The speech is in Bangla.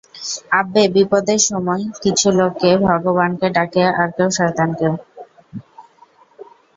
আব্বে বিপদে সময়, কিছু লোক ভগবানকে ডাকে আর কেউ শয়তানকে!